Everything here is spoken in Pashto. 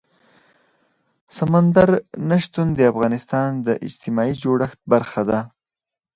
سمندر نه شتون د افغانستان د اجتماعي جوړښت برخه ده.